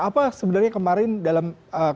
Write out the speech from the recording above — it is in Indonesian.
apa sebenarnya kemarin dalam